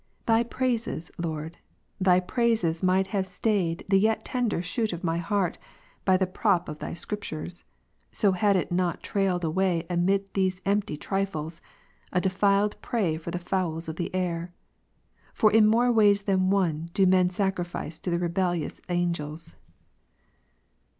Thy praises, Lord, Thy praises might have stayed the yet tender shoot of my heart by the prop of Thy Scriptures ; so had it not trailed away amid these empty trifles, a defiled prey for the fowls of the air. For in more ways than one do men sacrifice to the rebellious angels.